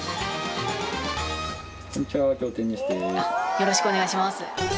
よろしくお願いします。